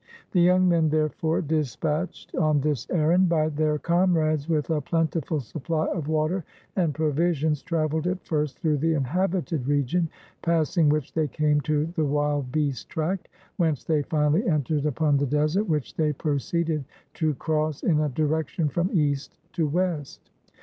The young men, therefore, dispatched on this errand by their comrades, with a plentiful supply of water and provisions, traveled at first through the inhabited region, passing which they came to the wild beast tract, whence they finally entered upon the desert, which they proceeded to cross in a direction from east to west.